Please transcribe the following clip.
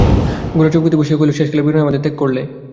গোরা চৌকিতে বসিয়া কহিল, শেষকালে বিনয় আমাদের ত্যাগ করলে?